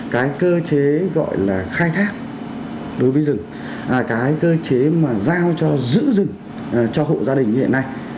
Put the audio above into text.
cái cơ chế gọi là khai thác đối với rừng là cái cơ chế mà giao cho giữ rừng cho hộ gia đình như hiện nay